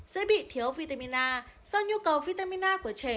sẽ bị thiếu vitamin a do nhu cầu vitamin a của trẻ